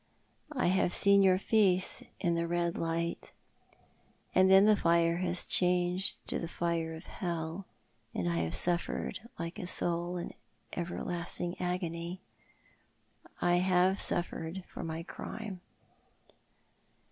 I have seen your face in the red light! And then the fire has changed to the fire of hell, and I have suffered Death in Life. 293 like a soul iu everlasting agony. I have suffered for my crime."